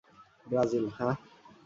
Brazil, হাহ?